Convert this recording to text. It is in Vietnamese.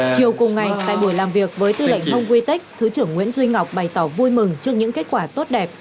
chiều cùng ngày tại buổi làm việc với tư lệnh hồng quê tích thứ trưởng nguyễn duy ngọc bày tỏ vui mừng trước những kết quả tốt đẹp